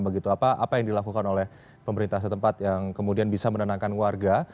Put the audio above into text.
begitu apa yang dilakukan oleh pemerintah setempat yang kemudian bisa menenangkan warga